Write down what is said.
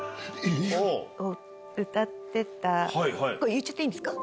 これ言っちゃっていいんですか？